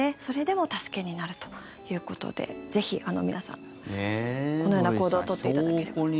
それでも助けになるということでぜひ皆さん、このような行動を取っていただければ。